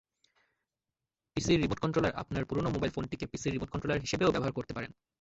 পিসির রিমোট কন্ট্রোলারআপনার পুরোনো মোবাইল ফোনটিকে পিসির রিমোট কন্ট্রোলার হিসেবেও ব্যবহার করতে পারেন।